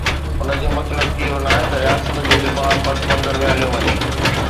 ان جو مطلب اهو ناهي ته رياست جو دفاع پس منظر ۾ هليو وڃي.